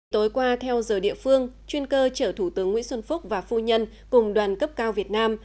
tối qua theo giờ địa phương chuyên cơ chở thủ tướng nguyễn xuân phúc và phu nhân cùng đoàn cấp cao việt nam